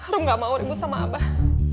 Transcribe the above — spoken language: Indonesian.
harum gak mau ribut sama abah